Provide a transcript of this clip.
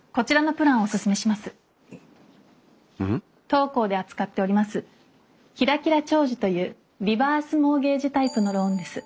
当行で扱っております「キラキラ長寿」というリバースモーゲージタイプのローンです。